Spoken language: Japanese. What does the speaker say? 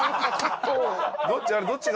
「どっち？